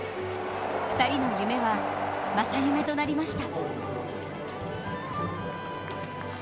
２人の夢は、正夢となりました。